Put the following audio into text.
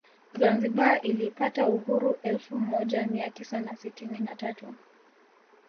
Zanzibar ilipata uhuru elfu moja Mia tisa na sitini na tatu